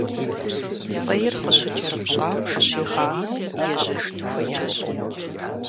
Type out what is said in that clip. Фӏейр къыщыкӏэрыпщӏам къыщигъанэу ежьэжын хуеящ.